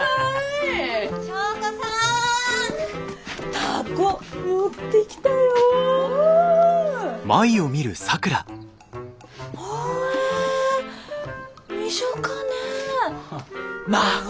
タコ持ってきたよ。ばえー！